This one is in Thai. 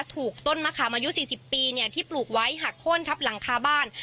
ถูกต้นมะขามอายุ๔๐ปีที่ปลูกไว้หักโค้นทับหลังคาบ้าน